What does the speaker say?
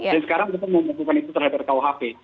dan sekarang kita menemukan itu terhadap rkuhp